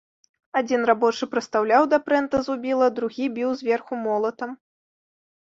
Адзін рабочы прыстаўляў да прэнта зубіла, другі біў зверху молатам.